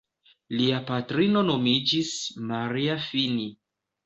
Lia patrino nomiĝis Maria Fini.